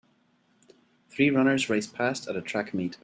Three runners race past at a track meet.